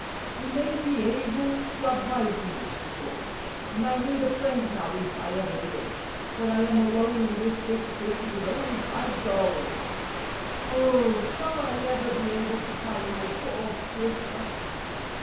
"He may be able to advise me," she thought, "and I need a friend now if I ever did, for I am alone in this big city with only five dollars! Oh, shall I ever be able to find my poor sister?"